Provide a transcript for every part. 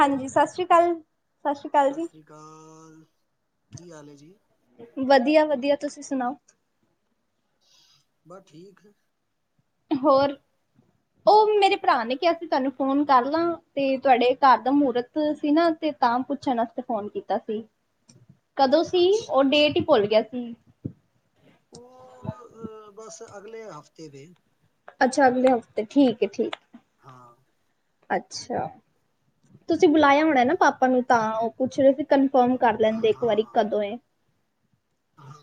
ਹਾਂਜੀ ਸਤਿ ਸ਼੍ਰੀ ਅਕਾਲ ਸਤਿ ਸ਼੍ਰੀ ਅਕਾਲ ਸਤਿ ਜੀ। ਸ੍ਰੀ ਅਕਾਲ ਕੀ ਹਾਲ ਹੈ ਜੀ ਵਧੀਆ ਵਧੀਆ ਤੁਸੀਂ ਸੁਣਾਓ। ਬਸ ਠੀਕ ਹੈ। ਹੋਰ ਉਹ ਮੇਰੇ ਭਰਾ ਨੇ ਕਿਹਾ ਸੀ ਤੁਹਾਨੂੰ ਫੋਨ ਕਰ ਲਾਂ ਤੇ ਤੁਹਾਡੇ ਘਰ ਦਾ ਮਹੂਰਤ। [unintelligible] ਸੀ ਨਾ ਤਾਂ ਪੁੱਛਣ ਵਾਸਤੇ ਫੋਨ ਕੀਤਾ ਸੀ। [inaudible] ਕਦੋਂ ਸੀ ਅੱਛਾ ਉਹ ਅੱਛਾ ਡੇਟ ਹੀ ਭੁੱਲ ਗਿਆ ਸੀ। ਉਹ ਬਸ ਅਗਲੇ ਹਫ਼ਤੇ ਵੇ। ਅੱਛਾ, ਅਗਲੇ ਹਫ਼ਤੇ ਠੀਕ ਹੈ ਠੀਕ। ਹਾਂ ਅੱਛਾ ਤੁਸੀਂ ਬੁਲਾਇਆ ਹੋਣਾ ਨਾ ਪਾਪਾ ਨੂੰ ਤਾਂ, ਉਹ ਪੁੱਛ ਰਹੇ ਕਨਫਰਮ ਕਰ ਲੈਂਦੇ, ਇੱਕ ਵਾਰੀ ਹਾਂ ਕਦੋਂ ਹੈ। ਹਾਂ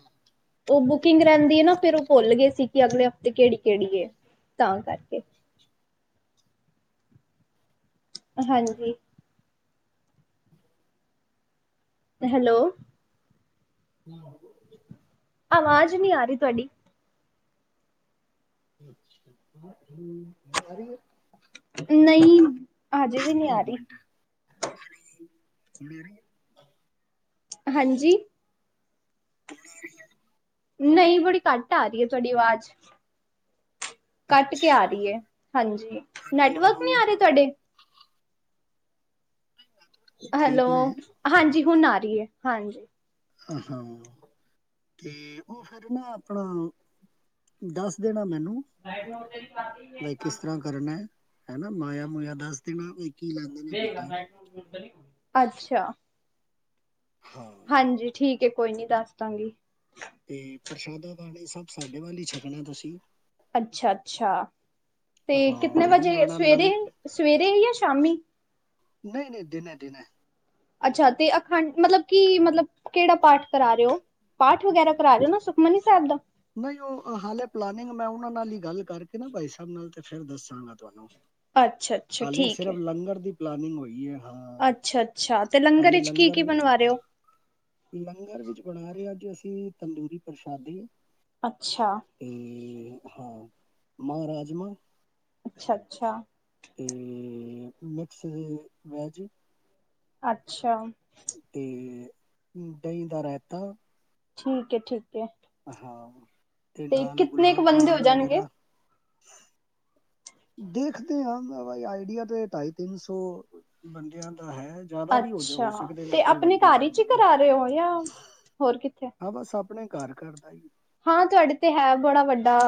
ਉਹ ਬੁਕਿੰਗ ਰਹਿੰਦੀ ਹੈ, ਨਾ ਫਿਰ ਉਹ ਭੁੱਲ ਗਏ ਸੀ, ਕਿ ਅਗਲੇ ਹਫ਼ਤੇ ਕਿਹੜੀ ਕਿਹੜੀ ਹੈ, ਤਾਂ ਕਰਕੇ ਹਾਂਜੀ ਹੈਲੋ [unintelligible] ਆਵਾਜ਼ ਨਹੀਂ ਆ ਰਹੀ ਤੁਹਾਡੀ ਹੁਣ ਆ ਰਹੀ ਹੈ। ਨਹੀਂ, ਹਜੇ ਵੀ ਨਹੀਂ ਆ ਇੱਕ ਰਹੀ। ਮਿੰਟ ਹੁਣ ਆ ਰਹੀ ਹੈ। ਹਾਂਜੀ ਹੁਣ ਆ ਰਹੀ ਆ ਨਹੀਂ ਬੜੀ ਘੱਟ ਆ ਰਹੀ ਏ ਤੁਹਾਡੀ ਆਵਾਜ਼ ਹੈ ਕੱਟ ਕੇ ਆ ਅੱਛਾ ਰਹੀ ਏ ਹਾਂਜੀ ਹੈਲੋ ਨੈਟਵਰਕ ਹੈਲੋ ਨਹੀਂ ਆ ਰਹੇ ਤੁਹਾਡੇ ਇਹ ਹੈਲੋ ਠੀਕ ਨੇ ਹਾਂਜੀ ਹੁਣ ਆ ਰਹੀ ਏ ਹਾਂਜੀ [unintelligible] ਤੇ ਉਹ ਫਿਰ ਨਾ ਆਪਣਾ ਦੱਸ ਦੇਣਾ ਮੈਨੂੰ [unintelligible] ਕਰਨਾ ਏ ਹਨਾ ਮਾਇਆ ਮੁਇਆ ਦੱਸ ਦੇਣਾ ਵੀ ਕੀ ਲੈਂਦੇ ਨੇ ਬੇਟਾ [unintelligible] ਅੱਛਾ। ਹਾਂ ਹਾਂਜੀ ਠੀਕ ਏ ਕੋਈ ਨੀ ਦੱਸ ਦਾਂਗੀ ਤੇ ਪ੍ਰਸ਼ਾਦਾ ਪਾਣੀ ਸਭ ਸਾਡੇ ਵੱਲ ਹੀ ਛਕਣਾ ਤੁਸੀਂ ਅੱਛਾ, ਅੱਛਾ ਤੇ ਹਾਂ ਕਿਤਨੇ ਜ਼ਰੂਰ ਵਜੇ ਆਣਾ ਲੰ ਸਵੇਰੇ ਸਵੇਰੇ ਜਾਂ ਸ਼ਾਮੀ ਨਹੀਂ ਨਹੀਂ ਦੇਣਾ ਦੇਣਾ ਅੱਛਾ ਤੇ ਅਖੰਡ ਮਤਲਬ ਕੀ ਮਤਲਬ ਕਿਹੜਾ ਪਾਠ ਕਰਾ ਰਹੇ ਹੋ ਪਾਠ ਵਗੈਰਾ ਕਰਾ ਰਹੇ ਹੋ ਨਾ ਸੁਖਮਨੀ ਸਾਹਿਬ ਦਾ ਨਹੀਂ ਉਹ ਹਾਲੇ ਪਲੈਨਿੰਗ ਮੈਂ ਉਹਨਾਂ ਨਾਲ ਹੀ ਗੱਲ ਕਰਕੇ ਨਾ ਬਾਈ ਸਾਹਿਬ ਨਾਲ ਤੇ ਫਿਰ ਦੱਸਾਂਗਾ ਤੁਹਾਨੂੰ ਅੱਛਾ ਅੱਛਾ ਹਾਲੇ ਸਿਰਫ਼ ਲੰਗਰ ਦੀ ਪਲੈਨਿੰਗ ਹੋਈ ਆ ਅੱਛਾ, ਅੱਛਾ ਤੇ ਲੰਗਰ ਵਿਚ ਕੀ- ਕੀ ਬਣਵਾ ਰਹੇ ਹੋ। ਲੰਗਰ ਵਿੱਚ ਬਣਾ ਰਹੇ ਅੱਜ ਅਸੀਂ ਤੰਦੂਰੀ ਪ੍ਰਸ਼ਾਦੇ ਅੱਛਾ। ਤੇ ਹਾਂ ਮਾਂਹ ਰਾਜਮਾ ਅੱਛਾ- ਅੱਛਾ। ਤੇ ਮਿਕਸ ਮੈਜਿਕ ਅੱਛਾ। ਤੇ ਦਹੀਂ ਦਾ ਰਾਇਤਾ ਠੀਕ ਏ ਠੀਕ ਏ ਹਾਂ ਤੇ ਨਾਲ ਕਿਤਨੇ ਕੁ ਗੁਲਾਬ ਬੰਦੇ ਹੋ ਜਾਮੁਨ ਜਾਣਗੇ? ਵਗੈਰਾ ਦੇਖਦੇ ਆ ਆਈਡੀਆ ਤਾਂ ਢਾਈ ਤਿੰਨ ਸੌ ਬੰਦਿਆਂ ਦਾ ਹੈ। ਜ਼ਿਆਦਾ ਵੀ ਹੋ ਜਾ ਅੱਛਾ ਹੋ ਸਕਦੇ ਨੇ ਤੇ ਕੋਈ ਆਪਣੇ ਵੱਡੀ ਘਰ ਗੱਲ ਵਿਚ ਹੀ ਚ ਨਹੀਂ ਹਾਂ ਕਰਾ ਰਹੇ ਹੋ ਜਾਂ ਹੋਰ ਕਿੱਥੇ? ਹਾਂ ਬਸ ਆਪ ਆਪਣੇ ਘਰ ਘਰ ਤਾਂ ਹੀ ਹਾਂ ਤੁਹਾਡੇ ਤੇ ਹੈ ਬੜਾ ਵੱਡਾ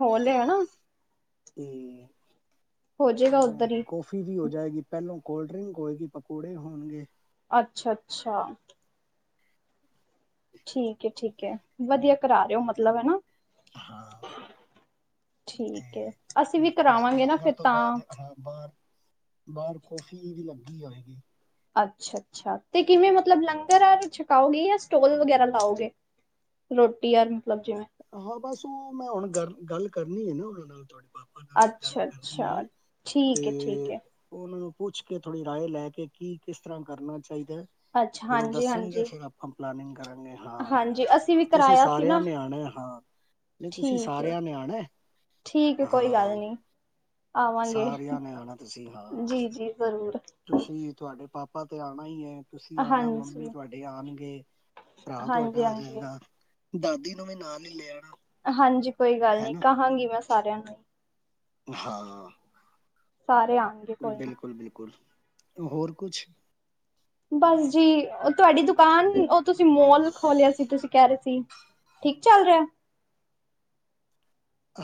ਹੋਲ ਹੈ ਨਾ [unintelligible] ਹੋ ਜਾਏਗਾ ਉੱਧਰ ਹੀ। ਠੰਡੀ ਹੋ ਜਾਏਗੀ ਪਹਿਲੋਂ ਕੋਲਡ ਡਰਿੰਕ ਹੋਏਗੀ ਪਕੌੜੇ ਹੋਣਗੇ ਅੱਛਾ- ਅੱਛਾ। ਠੀਕ ਏ ਠੀਕ ਏ ਵਧੀਆ ਕਰਾ ਰਹੇ ਹੋ ਮਤਲਬ ਹਨਾ ਹਾਂ ਠੀਕ ਏ ਅਸੀਂ ਤੇ ਵੀ ਪਰ ਕਰਾਵਾਂਗੇ ਨਾ ਲੰਗਰ ਫਿਰ ਤੋਂ ਤਾਂ ਬਾਅਦ ਹਾਂ ਬਾਹਰ, ਬਾਹਰ ਕੌਫੀ ਵੀ ਲੱਗੀ ਹੋਏਗੀ ਅੱਛਾ, ਅੱਛਾ ਤੇ ਕਿਵੇਂ ਮਤਲਬ ਲੰਗਰ ਛਕਾਓਗੇ ਜਾਂ ਸਟੋਲ ਵਗੈਰਾ ਲਾਓਗੇ ਰੋਟੀ ਯਾਰ ਮਤਲਬ ਜਿਵੇਂ ਹਾਂ ਬਸ ਉਹ ਮੈਂ ਹੁਣ ਗੱਲ ਕਰਨੀ ਏ ਨਾ ਉਹਨਾਂ ਨਾਲ ਤੁਹਾਡੇ ਪਾਪ [unintelligible] ਗੱਲ ਅੱਛਾ ਕਰਨੀ ਅੱਛਾ ਏ ਤੇ ਠੀਕ ਹੈ ਠੀਕ ਹੈ ਉਹ ਉਹਨਾਂ ਨੂੰ ਪੁੱਛ ਕੇ ਥੋੜੀ ਰਾਏ ਲੈ ਕੇ ਕੀ ਕਿਸ ਤਰ੍ਹਾਂ ਕਰਨਾ ਚਾਹੀਦਾ ਏ ਅੱਛਾ ਫਿਰ ਉਹ ਹਾਂਜੀ ਦੱਸਣਗੇ ਹਾਂਜੀ ਫਿਰ ਆਪਾਂ ਪਲੈਨਿੰਗ ਕਰਾਂਗੇ ਹਾਂ ਹਾਂਜੀ ਅਸੀਂ ਵੀ ਤੇ ਤੁਸੀਂ ਕਰਾਇਆ ਸੀ ਸਾਰਿਆਂ ਨਾ ਨੇ ਆਣੇ ਹਾਂ ਨਹੀਂ ਤੁਸੀਂ ਠੀਕ ਹੈ ਸਾਰਿਆਂ ਨੇ ਆਣੇ ਠੀਕ ਹੈ ਕੋਈ ਗੱਲ ਹਾਂ। ਨਹੀਂ ਆਵਾਂਗੇ ਸਾਰਿਆਂ ਨੇ ਆਣਾ ਤੁਸੀਂ ਹਾਂ। ਜੀ ਜ਼ਰੂਰ ਤੁਸੀਂ ਤੁਹਾਡੇ ਪਾਪਾ ਤੇ ਆਣਾ ਹੀ ਏ ਤੁਸੀਂ ਆਣਾ ਮੰਮੀ ਹਾਂਜੀ ਤੁਹਾਡੇ ਆਣਗੇ ਭਰਾ ਹਾਂਜੀ ਤੁਹਾਡਾ ਆ ਹਾਂਜੀ ਜਾਏਗਾ ਦਾਦੀ ਨੂੰ ਵੀ ਨਾਲ ਨੀ ਲਿਆਣਾ ਹਾਂਜੀ ਕੋਈ ਗੱਲ ਨਹੀਂ ਕਹਾਂਗੀ ਮੈਂ ਸਾਰਿਆਂ ਨੂੰ ਹੀ ਹਾਂ ਸਾਰੇ ਆਉਣਗੇ ਕੋਈ ਨਾ ਬਿਲਕੁਲ ਬਿਲਕੁਲ ਹੋਰ ਕੁਛ ਬਸ ਜੀ ਤੁਹਾਡੀ ਦੁਕਾਨ ਉਹ ਤੁਸੀਂ ਮੋਲ ਖੋਲਿਆ ਸੀ ਤੁਸੀਂ ਕਹਿ ਰਹੇ ਸੀ। ਠੀਕ ਚੱਲ ਰਿਹਾ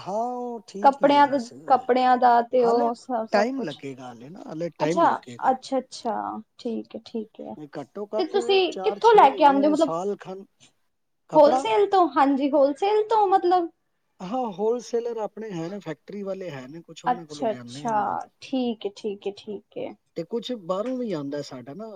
ਹਾਂ ਠੀਕ ਹੀ ਹੈ ਕੱਪੜਿਆਂ ਦਾ ਬਸ ਕੱਪੜਿਆਂ ਦਾ ਤੇ ਹਾਲੇ ਉਹ ਸਭ ਟਾਈਮ ਕੁਛ ਲੱਗੇਗਾ ਹਾਲੇ ਨਾ ਹਾਲੇ ਟਾਈਮ ਅੱਛਾ, ਲੱਗੇਗਾ। ਅੱਛਾ ਅੱਛਾ ਠੀਕ ਹੈ ਠੀਕ ਘੱਟੋ ਤੇ ਘੱਟ ਤੁਸੀਂ ਚਾਰ ਕਿੱਥੋਂ ਛੇ ਲੈ ਕੇ ਆਉਂਦੇ ਮਹੀਨੇ ਹੋ ਮਤਲਬ ਸਾਲ ਖਣ ਕੱਪੜਾ ਹੋਲਸੇਲ ਤੋਂ ਹਾਂਜੀ ਹੋਲਸੇਲ ਤੋਂ ਮਤਲਬ ਹਾਂ ਹੋਲਸੇਲਰ ਆਪਣੇ ਹੈ ਫੈਕਟਰੀ ਵਾਲੇ ਹੈ। ਅੱਛਾ, ਅੱਛਾ ਠੀਕ ਹੈ, ਠੀਕ ਹੈ, ਠੀਕ ਹੈ। ਤੇ ਕੁਛ ਬਾਹਰੋਂ ਵੀ ਆਉਂਦਾ ਸਾਡਾ ਨਾ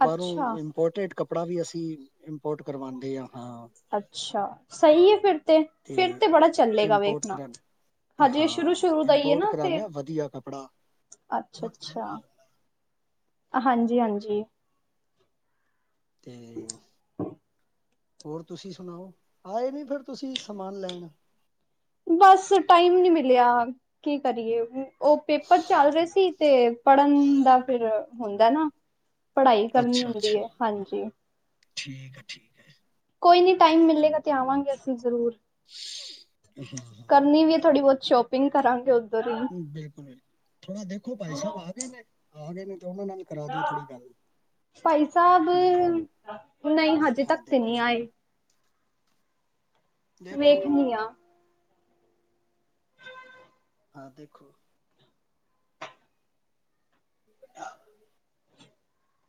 ਬਾਹਰੋਂ ਪੋਰਟਰੇਡ ਕੱਪੜਾ ਵੀ ਅਸੀਂ ਇੰਪੋਰਟ ਕਰਵਾਉਂਦੇ ਹਾਂ। ਅੱਛਾ ਸਹੀ ਹੈ ਫਿਰ ਤੇ ਫਿਰ ਤੇ ਬੜਾ ਚੱਲੇਗਾ ਇੰਪੋਰਟ ਵੇਖਣਾ। ਕਰਾ ਹਜੇ ਹਾਂ ਸ਼ੁਰੂ-ਸ਼ੁਰੂ ਦਾ ਈ ਐ ਇੰਪੋਰਟ ਨਾ ਤੇ ਕਰਾਦੇ ਆ ਵਧੀਆ ਕੱਪੜਾ ਬਹੁਤ ਮਹਿੰਗਾ ਹਾਂਜੀ ਹਾਂਜੀ ਤੇ ਹੋਰ ਤੁਸੀਂ ਸੁਣਾਓ ਆਏ ਨੀ ਫਿਰ ਤੁਸੀਂ ਸਮਾਨ ਲੈਣ ਬਸ ਟਾਈਮ ਨਹੀਂ ਮਿਲਿਆ ਕੀ ਕਰੀਏ ਉਹ ਪੇਪਰ ਚੱਲ ਰਹੇ ਸੀ ਤੇ ਪੜ੍ਹਨ ਦਾ ਫਿਰ ਹੁੰਦਾ ਨਾ ਪੜ੍ਹਾਈ ਕਰਨੀ ਅੱਛਾ ਹੁੰਦੀ ਅੱਛਾ ਹੈ ਹਾਂਜੀ ਠੀਕ ਹੈ ਠੀਕ ਹੈ ਕੋਈ ਨਹੀਂ ਟਾਈਮ ਮਿਲੇਗਾ ਤੇ ਆਵਾਂਗੇ ਅਸੀਂ ਜ਼ਰੂਰ ਹਾਂ ਹਾਂ ਕਰਨੀ ਵੀ ਹੈ ਥੋੜ੍ਹੀ ਬਹੁਤ ਸ਼ੋਪਿੰਗ ਕਰਾਂਗੇ ਉੱਧਰ ਹੀ ਬਿਲਕੁਲ ਥੋੜਾ ਦੇਖੋ ਭਾਈ ਸਾਹਿਬ ਆ ਗਏ ਨੇ ਆ ਗਏ ਨੇ ਤੇ ਉਹਨਾਂ ਨਾਲ ਕਰਾ ਦਿਓ ਥੋੜ੍ਹੀ ਗੱਲ ਭਾਈ ਸਾਹਿਬ ਮੈਂ ਨਹੀਂ ਹਜੇ ਹਾਂ ਤੱਕ ਤੇ ਨਹੀਂ ਦੇਖੋ। ਆਏ ਦੇਖੋ ਵੇਖਣੀ ਆ ਆ ਦੇਖੋ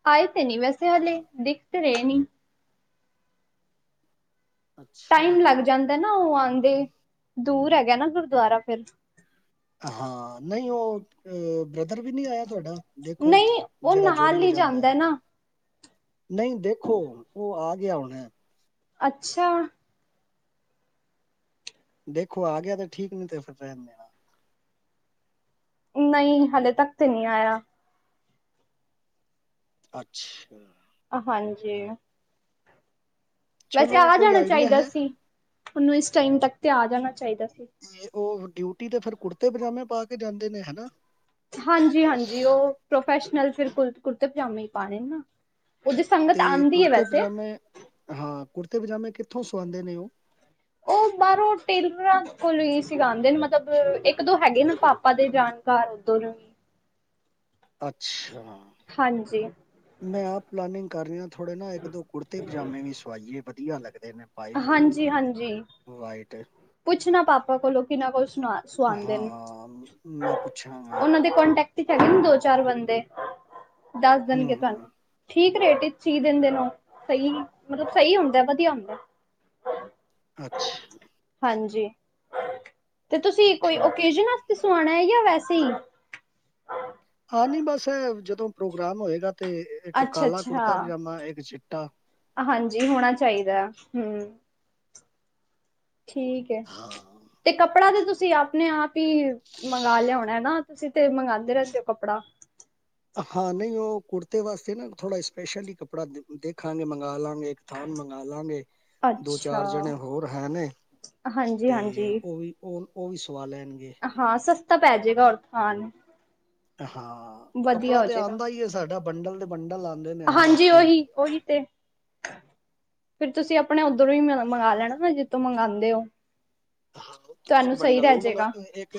ਆਏ ਤੇ ਨਹੀਂ ਵੈਸੇ ਹਲੇ ਦਿਖ ਤੇ ਰਹੇ ਨੀ ਅੱਛਾ ਟਾਈਮ ਲੱਗ ਜਾਂਦਾ ਨਾ ਉਹ ਆਉਂਦੇ ਦੂਰ ਹੈਗਾ ਨਾ ਗੁਰਦੁਆਰਾ ਫਿਰ ਹਾਂ ਨਹੀਂ ਉਹ ਬ੍ਰਦਰ ਵੀ ਨਹੀਂ ਆਇਆ ਤੁਹਾਡਾ ਦੇਖੋ ਨਹੀਂ ਉਹ ਜਿਹੜਾ ਜੋੜੀ ਨਾਲ ਹੀ ਵਜਾਦਾ ਹੈ ਜਾਂਦਾ ਨਾ ਨਹੀਂ ਦੇਖੋ ਉਹ ਆ ਗਿਆ ਹੋਣਾ ਅੱਛਾ ਦੇਖੋ ਆ ਗਿਆ ਤੇ ਠੀਕ ਨੀ ਤੇ ਫਿਰ ਰਹਿਣ ਦੇਣਾ ਨਹੀਂ ਹਲੇੇ ਤੱਕ ਤੇ ਨਹੀਂ ਆਇਆ। ਅੱਛਾ ਹਾਂਜੀ ਵੈਸੇ ਚਲੋ ਆ ਕੋਈ ਜਾਣਾ ਆਈਡੀਆ ਚਾਹੀਦਾ ਹੈ ਸੀ ਉਹਨੂੰ ਇਸ ਟਾਈਮ ਤੱਕ ਤੇ ਆ ਜਾਣਾ ਚਾਹੀਦਾ ਸੀ। ਫਿਰ ਉਹ ਡਿਊਟੀ ਤੇ ਫਿਰ ਕੁੜਤੇ ਪਜਾਮੇ ਪਾ ਕੇ ਜਾਂਦੇ ਨੇ ਹਨਾ ਹਾਂਜੀ ਹਾਂਜੀ ਉਹ ਪ੍ਰੋਫੈਸ਼ਨਲ ਫਿਰ ਕੁੜਤੇ ਪਜਾਮੇ ਪਾਣੇ ਨਾ ਉਹਦੀ ਸੰਗਤ ਅਤੇ ਆਂਦੀ ਹੈ ਕੁੜਤੇ ਵੈਸੇ ਪਜਾਮੇ ਹਾਂ ਕੁੜਤੇ ਪਜਾਮੇ ਕਿੱਥੋਂ ਸਆਉਂਦੇ ਨੇ ਉਹ ਉਹ ਬਾਹਰੋਂ ਟੇਲਰਾਂ ਕੋਲ ਹੀ ਸਿਲਾਉਂਦੇ ਨੇ ਮਤਲਬ ਇੱਕ ਦੋ ਹੈਗੇ ਨੇ ਪਾਪਾ ਦੇ ਜਾਣ ਘਰ ਉੱਧਰ ਅੱਛਾ ਹਾਂਜੀ ਮੈਂ ਆਪ ਪਲਾਨਿੰਗ ਕਰ ਰਿਹਾ। ਥੋੜੇ ਨਾ ਇੱਕ ਦੋ ਕੁੜਤੇ ਪਜਾਮੇ ਵੀ ਸਵਾਈਏ ਵਧੀਆ ਲੱਗਦੇ ਨੇ ਪਾਏ ਹੋਏ ਨਾ। ਹਾਂਜੀ ਹਾਂਜੀ ਵਾਈਟ ਏ ਪੁੱਛਣਾ ਪਾਪਾ ਕੋਲੋਂ ਕਿੰਨਾ ਕੋਲੋਂ ਸੁਆਉਦੇ ਨੇ, ਹਾਂ, ਮੈਂ ਪੁੱਛਾਂਗਾ। ਉਹਨਾਂ ਦੇ ਕੋਂਟੈਕਟ ਹੈਗੇ ਨੇ ਦੋ, ਚਾਰ ਬੰਦੇ ਦੱਸ ਹੂੰ, ਦੇਣਗੇ ਹੂੰ। ਤੁਹਾਨੂੰ ਠੀਕ ਰੇਟ ਵਿੱਚ ਸੀ ਦਿੰਦੇ ਨੇ ਉਹ, ਸਹੀ ਮਤਲਬ ਸਹੀ ਹੁੰਦਾ ਵਧੀਆ ਹੁੰਦਾ ਅੱਛਾ ਹਾਂਜੀ ਤੇ, ਤੁਸੀਂ ਕੋਈ ਠੀਕ-ਠੀਕ। ਓਕੇਜਨ ਸੁਆਣਾ ਹੈ ਜਾਂ, ਵੈਸੇ ਹੀ ਹਾਂ, ਨਹੀਂ ਬਸ ਜਦੋਂ ਪ੍ਰੋਗਰਾਮ ਹੋਏਗਾ! ਤੇ ਇੱਕ ਕਾਲਾ, ਕੁੜਤਾ ਅੱਛਾ-ਅੱਛਾ, -ਪਜਾਮਾ ਇੱਕ ਚਿੱਟਾ ਹਾਂਜੀ, ਹੋਣਾ ਚਾਹੀਦਾ ਹੁ। ਠੀਕ ਹੈ, ਹਾਂ। ਤੇ ਕੱਪੜਾ ਤਾਂ ਤੁਸੀਂ, ਆਪਣੇ ਆਪ ਈ, ਮੰਗਵਾ ਲਿਆ ਹੋਣਾ ਹਨਾ, ਤੁਸੀਂ ਤੇ ਮੰਗਾਉਂਦੇ ਰਹਿੰਦੇ ਹੋ, ਕੱਪੜਾ ਹਾਂ, ਨਈ ਉਹ ਕੁੜਤੇ ਵਾਸਤੇ ਨਾ, ਥੋੜ੍ਹਾ ਸਪੈਸ਼ਲ ਕੱਪੜਾ ਦੇਖਾਂਗੇ, ਮੰਗਵਾ ਲਵਾਂਗੇ ਥਾਨ ਮੰਗਾ ਲਾਂਗੇ ਦੋ-ਚਾਰ ਜਣੇ ਅੱਛਾ, ਹੋਰ ਹੈ, ਨੇ ਤੇ ਹਾਂਜੀ-ਹਾਂਜੀ ਉਹ ਵੀ ਉਹ -ਉਹ ਵੀ ਸਵਾ ਲੈਣਗੇ ਹਾਂ, ਸਸਤਾ ਪੈ ਜਾਏਗਾ ਔਰ ਥਾਨ ਹਾਂ, ਵਧੀਆ ਕੱਪੜਾ ਹੋ ਤੇ, ਜਾਏਗਾ, ਆਉਂਦਾ ਏ ਸਾਡਾ, ਬੰਡਲ ਦੇ ਬੰਡਲ ਆਦੇ ਨੇ, ਹਰ ਹਫ਼ਤੇ ਉਹੀ ਤੇ ਫਿਰ ਤੁਸੀਂ, ਆਪਣੇ ਉੱਧਰੋਂ ਹੀ, ਮੰਗਵਾ ਲੈਣਾ ਨਾ, ਜਿੱਥੋਂ ਮੰਗਵਾਉਂਦੇ ਹੋ ਹਾਂ, ਉਥੋਂ ਇੱਕ ਤੁਹਾਨੂੰ ਸਹੀ ਬੰਡਲ ਰਹਿ ਉਹ ਮੰਗਾ ਜਾਏਗਾ। ਲਉ, ਇੱਕ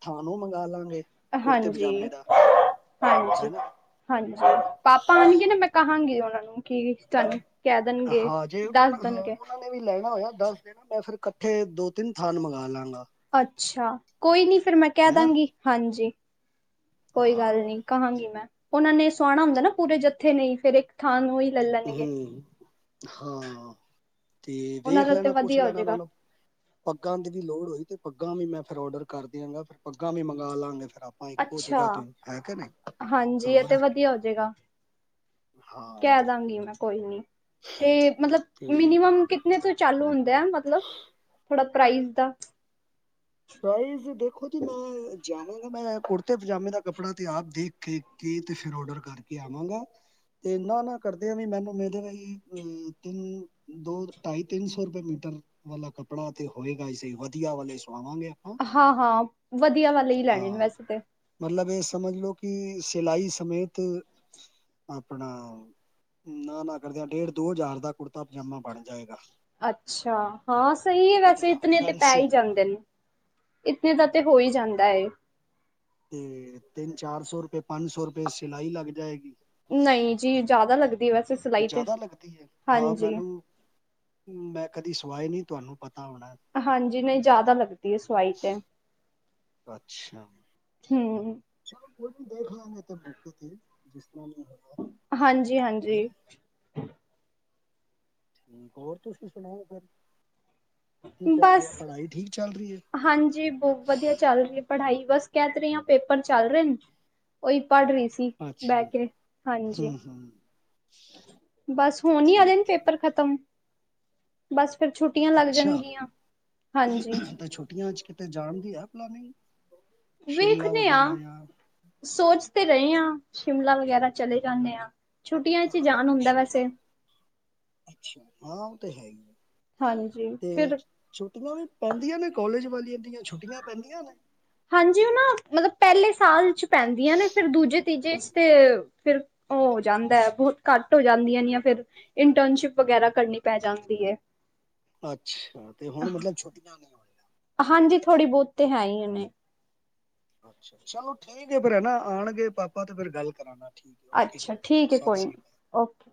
ਥਾਨ ਉਹ ਮੰਗਾਲਾਂਗੇ ਹਾਂਜੀ -ਹਾਂਜੀ ਹੈਨਾ -ਹਾਂਜੀ ਪਾਪਾ, ਆਉਣਗੇ ਨਾ ਮੈਂ ਕਹਾਂਗੀ ਉਹਨਾਂ ਨੂੰ, ਕੀ ਤੁਹਾਨੂੰ ਕਹਿ ਦੇਣਗੇ ਦੱਸ ਦੇਣਗੇ ਇਹਨਾਂ ਨੇ, ਵੀ ਲੈਣਾ ਹੋਇਆ, ਦੱਸ ਦੇਣਾ ਮੈਂ ਫਿਰ, ਇਕੱਠੇ ਦੋ -ਤਿੰਨ ਥਾਨ ਮੰਗਾਲਾਂਗਾ ਅੱਛਾ, ਕੋਈ ਨੀ, ਫਿਰ ਮੈਂ ਕਹਿ ਦਾਂਗੀ ਹਾਂਜੀ ਕੋਈ ਹਾਂ ਗੱਲ ਨਈ ਕਹਾਂਗੀ, ਮੈਂ ਉਹਨਾਂ ਨੇ ਸਵਾਣਾ ਹੁੰਦਾ ਨਾ, ਪੂਰੇ ਜੱਥੇ ਨੇ ਫਿਰ ਥਾਂ ਨੂੰ ਹੀ ਲੈ ਲੈਣਗੇ ਹੂ, ਹਾਂ। ਤੇ ਉਹਨਾਂ ਵੇਖ, ਦਾ ਤੇ ਲੈਣਾ ਪੁੱਛ ਵਧੀਆ ਹੋ ਲੈਣਾ ਉਹਨਾਂ ਜਾਏਗਾ ਨੂੰ। ਪੱਗਾਂ ਦੀ, ਵੀ ਲੋੜ ਹੋਈ, ਤੇ ਪੱਗਾਂ ਵੀ ਮੈਂ ਫਿਰ ਔਡਰ ਕਰ ਦਿਆਂਗਾ, ਫਿਰ ਪੱਗਾਂ ਵੀ, ਮੰਗਵਾ ਲਵਾਂਗੇ ਫਿਰ ਆਪ ਹਾਂ, ਇੱਕੋ ਅੱਛਾ ਜਗ੍ਹਾ ਤੋਂ, ਹੈ ਕੀ ਨਹੀ ਹਾਂਜੀ ਇਹ ਤੇ ਹੋਰ ਵਧੀਆ ਹੋ ਜਾਏਗਾ ਹਾਂ ਕਹਿ ਦਵਾਂਗੀ ਮੈਂ ਕੋਈ ਨੀ, ਤੇ ਮਤਲਬ ਤੇ ਮਿਨੀਮਮ ਕਿਤਨੇ ਤੋਂ, ਚਾਲੂ ਹੁੰਦਾ ਆ ਮਤ ਮਤਲਬ, ਥੋੜਾ ਪ੍ਰਾਈਜ਼ ਦਾ ਪ੍ਰਾਈਜ਼ ਦੇਖੋ ਜੀ, ਮੈਂ ਜਾਵਾਂਗਾ! ਮੈਂ ਕੁੜਤੇ -ਪਜਾਮੇ ਦਾ ਕੱਪੜਾ ਤੇ ਆਪ ਦੇਖ ਕੇ ਕੀ, ਤੇ ਫਿਰ ਔਡਰ ਕਰਕੇ ਆਵਾਂਗਾ! ਤੇ ਨਾ -ਨਾ ਕਰਦੀਆਂ ਵੀ, ਮੈਨੂੰ ਮਿਲੇਗੀ ਤੁਨ-ਤੁਨ ਦੋ ਢਾਈ -ਤਿੰਨ ਸੌ, ਰੁਪਏ ਮੀਟਰ ਵਾਲਾ, ਕੱਪੜਾ ਤੇ ਹੋਏਗਾ! ਹੀ ਸੀ ਵਧੀਆ ਵਾਲੇ ਸੁਆਵਾਂਗੇ ਹਾਂ -ਹਾਂ ਵਧੀਆਵਾਲੇ, ਹੀ ਲੈਣੇ ਨੇ ਹਾਂ ਵੈਸੇ ਤੇ ਮਤਲਬ, ਇਹ ਸਮਝ ਲਵੋ ਕਿ, ਸਿਲਾਈ ਸਮੇਤ ਆਪਣਾ ਨਾ -ਨਾ ਕਰਦਿਆਂ ਡੇਢ -ਦੋ ਹਜ਼ਾਰ ਦਾ ਕੁੜਤਾ- ਪਜਾਮਾ ਬਣ ਜਾਏਗਾ। ਅੱਛਾ ਹਾਂ, ਸਹੀ ਹੈ ਵੈਸੇ ਵਧੀਆ ਇਤਨੇ ਤੇ ਪੈ ਫੈਂਸੀ ਹੀ! ਜਾਂਦੇ ਨੇ ਇਤਨੇ ਦਾ, ਤੇ ਹੋ, ਹੀ ਜਾਂਦਾ ਏ ਤੇ ਤਿੰਨ -ਚਾਰ ਸੌ ਰੁਪਏ, ਪੰਜ ਸੌ ਰੁਪਏ, ਸਿਲਾਈ ਲੱਗ ਜਾਏਗੀ। ਨਹੀਂ ਜੀ, ਜ਼ਿਆਦਾ ਲੱਗਦੀ ਵੈਸੇ ਸਿਲਾਈ ਤੇ ਜ਼ਿਆਦਾ ਲੱਗਦੀ ਏ, ਹਾਂ ਹਾਂਜੀ ਮੈਨੂੰ ਮੈਂ ਕਦੀ ਸਵਾਏ ਨਹੀਂ! ਤੁਹਾਨੂੰ ਪਤਾ ਹੋਣਾ ਹਾਂਜੀ, ਨਹੀਂ ਜ਼ਿਆਦਾ ਲੱਗਦੀ ਏ, ਸਵਾਈ ਤੇ ਅੱਛਾ। ਹੂ ਚਲੋ ਕੋਈ ਨਹੀਂ, ਦੇਖ ਲਾਂਗੇ ਤਾਂ ਮੌਕੇ ਤੇ ਜਿਸ ਤਰ੍ਹਾਂ ਹਾਂਜੀ ਹੈ -ਹਾਂਜੀ। ਠੀਕ ਹੋਰ ਤੁਸੀਂ ਸੁਣਾਓ? ਫਿਰ ਕੀ ਚੱਲ ਬਸ ਰਿਹਾ ਪੜ੍ਹਾਈ ਠੀਕ ਚੱਲ ਰਹੀ ਏ ਹਾਂਜੀ, ਬਹੁਤ ਵਧੀਆ ਚੱਲ ਰਹੀ, ਪੜ੍ਹਾਈ ਬਸ ਕਹਿ ਤੇ ਰਹੀ ਹਾ, ਪੇਪਰ ਚੱਲ ਰਹੇ ਨੇ, ਉਹੀ ਪੜ੍ਹ ਰਹੀ ਸੀ। ਬਹਿ ਅੱਛਾ ਕੇ ਹਾਂਜੀ, ਹੂੰ ਹੂੰ ਬਸ ਹੁਣ ਹੀ ਆ ਠੀਕ ਵਾਲੇ ਠੀਕ ਪੇਪਰ ਖਤਮ ਤ ਬਸ ਫੇਰ ਛੁੱਟੀਆਂ ਲੱਗ ਅੱਛਾ ਜਨਗੀਆਂ, ਹਾਂਜੀ ਤਾਂ ਛੋਟੀਆਂ ਚ ਕਿ ਤੇ ਜਾਣ ਦੀ ਹੈ ਪਲਾਨਿੰਗ ਸ਼ਿਮਲਾ ਵੇਖਦੇ ਵਗੈਰਾ ਹਾਂ, ਜਾਂ ਸੋਚ ਤੇ ਰਹੇ ਹਾਂ, ਸ਼ਿਮਲਾ ਵਗੈਰਾ ਚਲੇ ਜਾਨੇ ਆ ਛੁੱਟੀਆਂ ਚ ਜਾਨ ਹਾਂ, ਹੁੰਦਾ ਸ਼ਿਮਲਾ ਵੈਸੇ ਅੱਛਾ, ਹਾਂ ਉਹ ਤੇ ਹੈ ਈ ਹਾਂਜੀ ਫਿਰ ਛੁੱਟੀਆਂ ਵੀ ਪੈਂਦੀਆਂ ਨੇ ਕੋਲਜ ਵਾਲੀਆਂ ਦੀਆਂ ਛੁੱਟੀਆਂ ਪੈਂਦੀਆਂ ਨੇ? ਹਾਂਜੀ ਉਹ ਨਾ ਮਤਲਬ ਪਹਿਲੇ ਸਾਲ ਚ ਪੈਂਦੀਆਂ ਨੇ ਫਿਰ ਦੂਜੇ ਤੀਜੇ ਚ ਤੇ ਫੇਰ ਉਹ ਹੋ ਜਾਂਦੇ ਬਹੁਤ ਘੱਟ ਹੋ ਜਾਂਦੀਆਂ ਨੇ ਫਿਰ ਇੰਟਰਨਸ਼ਿਪ ਵਗੈਰਾ ਕਰਨੀ ਪੈ ਜਾਂਦੀ ਏ ਅੱਛਾ, ਤੇ ਹੁਣ ਮਤਲਬ ਛੁੱਟੀਆਂ ਨੇ ਹੋਨ ਹਾਂਜੀ ਥੋੜ੍ਹੀ ਬਹੁਤ ਤੇ ਹੈ ਹੀ ਨੇ ਅੱਛਾ, ਚਲੋ ਠੀਕ ਹੈ ਫਿਰ, ਹੈ ਨਾ ਆਣਗੇ ਪਾਪਾ ਤੇ ਫੇਰ ਗੱਲ ਕਰਾਂਨਾ ਅੱਛਾ ਠੀਕ ਹੈ ਕੋਈ ਨੀ, ਓਕੇ